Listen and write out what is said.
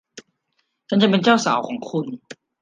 ฉันจะเป็นเจ้าสาวของคุณ